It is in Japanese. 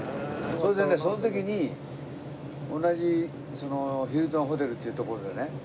それでねその時に同じそのヒルトンホテルっていう所でね